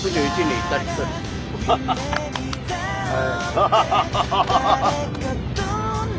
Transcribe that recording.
ワハハハハ。